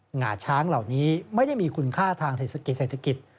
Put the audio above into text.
หงาช้างเหล่านี้ไม่ได้มีคุณค่าทางเศรษฐกิจเศรษฐกิจ